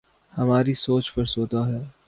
ہماری سوچ فرسودہ ہے۔